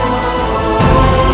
amba mohon ya allah